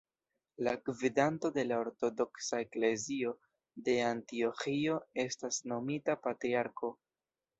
La gvidanto de la ortodoksa eklezio de Antioĥio estas nomita patriarko.